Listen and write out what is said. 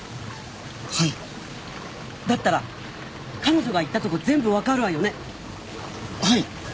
はいだったら彼女が行ったとこ全部分かるわよねはい！